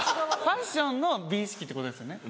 ファッションの美意識ってことですよね。